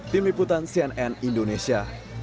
tim liputan cnn indonesia